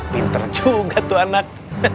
pinter juga tuh anak